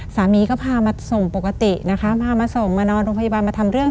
สามีก็พามาส่งปกตินะคะพามาส่งมานอนโรงพยาบาลมาทำเรื่อง